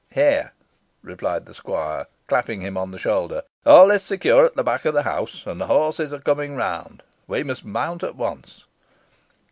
"Here," replied the squire, clapping him on the shoulder. "All is secure at the back of the house, and the horses are coming round. We must mount at once."